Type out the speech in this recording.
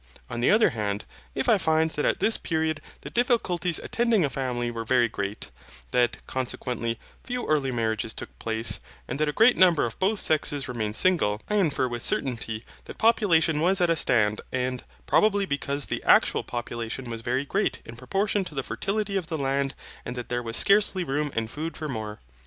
On the other hand, if I find that at this period the difficulties attending a family were very great, that, consequently, few early marriages took place, and that a great number of both sexes remained single, I infer with certainty that population was at a stand, and, probably, because the actual population was very great in proportion to the fertility of the land and that there was scarcely room and food for more.